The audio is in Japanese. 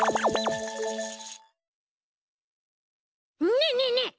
ねえねえねえ